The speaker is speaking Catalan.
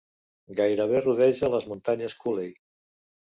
Gairebé rodeja les Muntanyes Cooley.